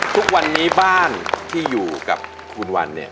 ทุกวันนี้บ้านที่อยู่กับคุณวันเนี่ย